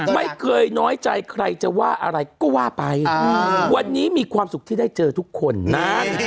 ไม่เคยน้อยใจใครจะว่าอะไรก็ว่าไปวันนี้มีความสุขที่ได้เจอทุกคนนาน